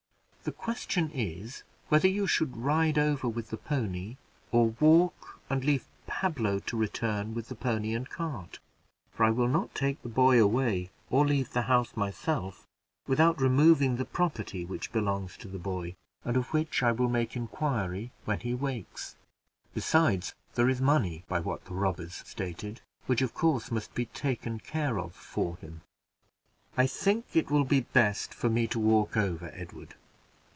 The question is, whether you should ride over with the pony, or walk, and leave Pablo to return with the pony and cart; for I will not take the boy away, or leave the house myself, without removing the property which belongs to the boy, and of which I will make inquiry when he awakes. Besides, there is money, by what the robbers stated in my hearing, which of course must be taken care of for him." "I think it will be best for me to walk over, Edward.